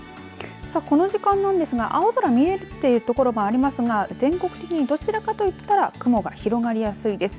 さあ、この時間なんですが青空見えている所もありますが全国的に、どちらかといったら雲が広がりやすいです。